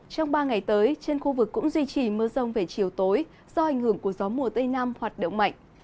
trong ba ngày tới trên khu vực cũng duy trì mưa rông về chiều tối do ảnh hưởng của gió mùa tây nam hoạt động mạnh